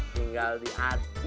tinggal di acu